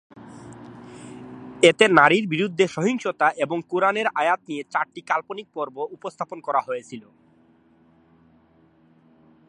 এতে নারীর বিরুদ্ধে সহিংসতা এবং কোরআনের আয়াত নিয়ে চারটি কাল্পনিক পর্ব উপস্থাপন করা হয়েছিল।